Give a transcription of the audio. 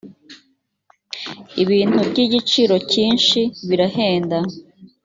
ibintu by’igiciro cyinshi birahenda.